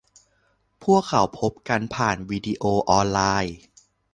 พวกเขาพบกันผ่านทางวีดีโอออนไลน์